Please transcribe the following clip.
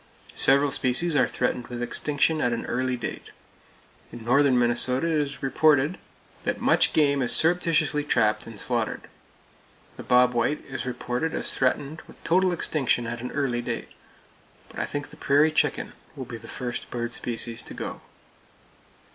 Several species are threatened with extinction at an early date. In northern Minnesota it is reported that much game is surreptitiously trapped and slaughtered. The bob white is reported as threatened with total extinction at an early date; but I think the prairie chicken will be the first bird species to go.